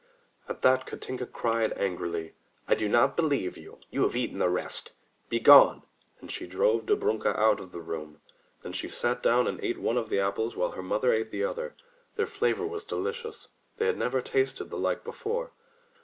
At that Katinka cried angrily, "I do not believe you. You have eaten the rest. Begone!" and she drove Dobrunka out 150 THROUGH FAIRY HALLS of the room. Then she sat down and ate one of the apples while her mother ate the other. Their flavor was delicious. They had never tasted the like before.